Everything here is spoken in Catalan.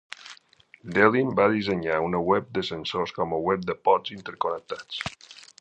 Delin va dissenyar una web de sensors com a web de pods interconnectats.